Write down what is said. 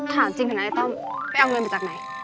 ถามจริงขนาดนั้นไอ้ต้อมไปเอาเงินมาจากไหน